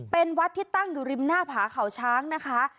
เป็นวัดที่ตั้งอยู่ริมหน้าผาเขาช้างนะคะ